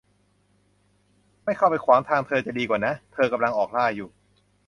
ไม่เข้าไปขวางทางเธอจะดีกว่านะ เธอกำลังออกล่าอยู่